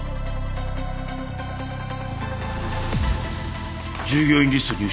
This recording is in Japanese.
従業員リスト入手しろ。